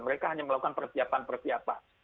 mereka hanya melakukan persiapan persiapan